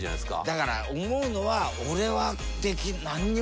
だから思うのは。